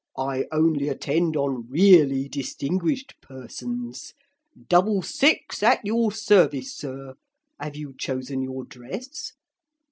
I only attend on really distinguished persons. Double six, at your service, Sir. Have you chosen your dress?'